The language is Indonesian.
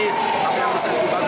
tapi yang bisa itu bagus